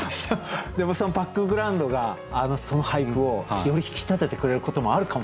でもそのバックグラウンドがその俳句をより引き立ててくれることもあるかもしれないですよね？